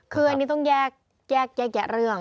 คืออันนี้ต้องแยกแยะเรื่อง